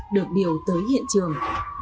được điều tới hiện trường